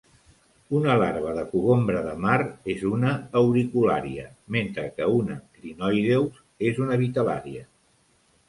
Una larva de cogombre de mar és una auriculària mentre que un crinoïdeus és una vitel.lària.